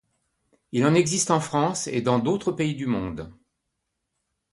Il en existe en France et dans d'autres pays du monde.